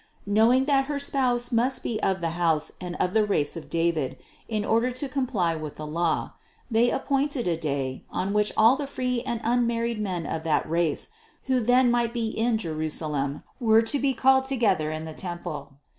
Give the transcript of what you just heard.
Knowing that her spouse must be of the house and of the race of David in order to comply THE CONCEPTION 571 with the law, they appointed a day, on which all the free and unmarried men of that race, who then might be in Jerusalem, were to be called together in the temple.